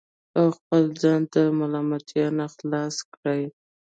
او خپل ځان د ملامتیا نه خلاص کړي